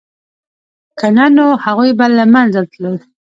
که نه نو هغوی به له منځه تلل